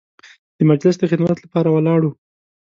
د مجلس د خدمت لپاره ولاړ وو.